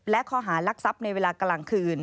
และข้อหารักทรัพย์ในเวลากลางคืน